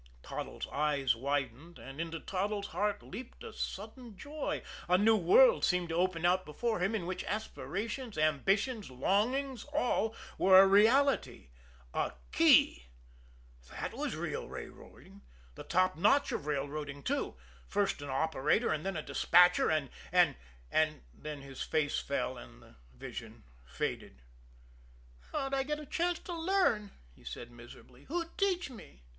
Toddles' eyes widened, and into Toddles' heart leaped a sudden joy. A new world seemed to open out before him in which aspirations, ambitions, longings all were a reality. A key! That was real railroading, the top notch of railroading, too. First an operator, and then a despatcher, and and and then his face fell, and the vision faded. "How'd I get a chance to learn?" he said miserably. "Who'd teach me?"